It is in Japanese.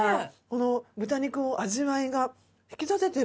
豚肉を味わいが引き立ててる。